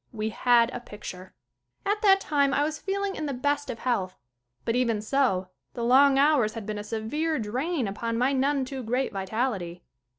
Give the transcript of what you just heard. We had a picture. At that time I was feeling in the best of health but, even so, the long hours had been a severe drain upon my none too great vitality.